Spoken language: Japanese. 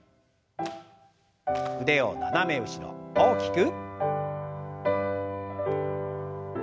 腕を斜め後ろ大きく。